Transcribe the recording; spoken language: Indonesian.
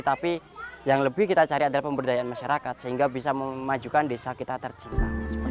tapi yang lebih kita cari adalah pemberdayaan masyarakat sehingga bisa memajukan desa kita tercinta